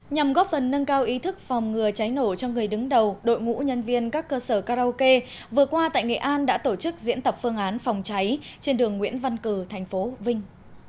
nhằm góp phần nâng cao ý thức phòng ngừa cháy nổ cho người đứng đầu đội ngũ nhân viên các cơ sở karaoke vừa qua tại nghệ an đã tổ chức diễn tập phương án phòng cháy trên đường nguyễn văn cử tp vinh